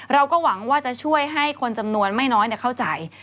เราก็หวังว่าจะช่วยให้คนจำนวนไม่น้อยเข้าใจ